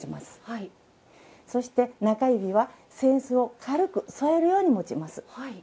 そして、中指は扇子を軽く添えるように持ちます。